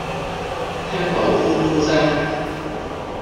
聽到歡呼聲